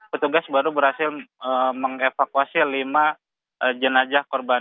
petugas baru berhasil mengevakuasi lima jenajah korban